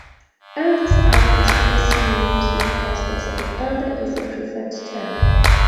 Elders are considered synonymous with "pastors", and "elder" is the preferred term.